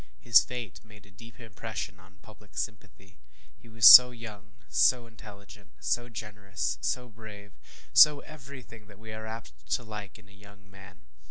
His fate made a deep impression on public sympathy. He was so young so intelligent so generous so brave so every thing that we are apt to like in a young man.